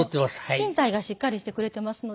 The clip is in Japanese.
身体がしっかりしてくれていますので。